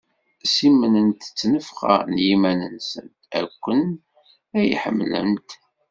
Ssimnent ttnefxa n yiman-nsent, akken ay ḥemmlent.